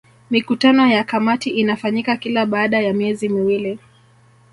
Mikutano ya kamati inafanyika kila baada ya miezi miwili